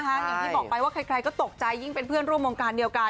อย่างที่บอกไปว่าใครก็ตกใจยิ่งเป็นเพื่อนร่วมวงการเดียวกัน